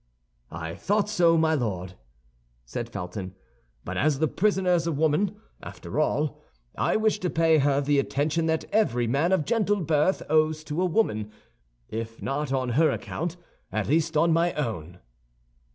"I thought so, my lord," said Felton; "but as the prisoner is a woman, after all, I wish to pay her the attention that every man of gentle birth owes to a woman, if not on her account, at least on my own."